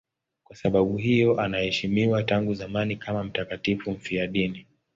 Kwa sababu hiyo anaheshimiwa tangu zamani kama mtakatifu mfiadini.